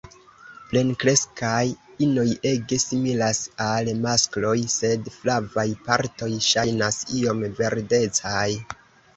Plenkreskaj inoj ege similas al maskloj, sed flavaj partoj ŝajnas iom verdecaj.